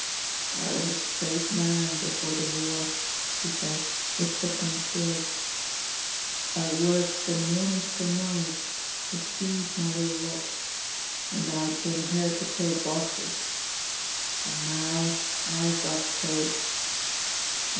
"I was a straight man before the war," he says, with trickling tears; "I worked from morning to night to feed my little lot. And then I came here to kill Boches. And now, I've got killed.